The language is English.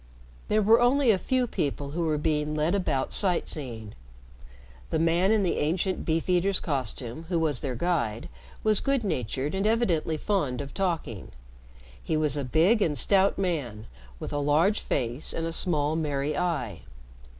There were only a few people who were being led about sight seeing. The man in the ancient Beef eaters' costume, who was their guide, was good natured, and evidently fond of talking. He was a big and stout man, with a large face and a small, merry eye.